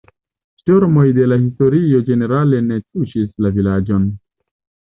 Ŝtormoj de la historio ĝenerale ne tuŝis la vilaĝon.